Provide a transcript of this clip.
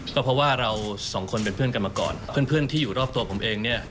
ก็เพราะว่าเราสองคนเป็นเพื่อนกันมาก่อนเพื่อนที่อยู่รอบตัวผมเองเนี่ย